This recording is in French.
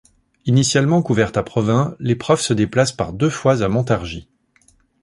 Initialement couverte à Provins, l'épreuve se déplace par deux fois à Montargis.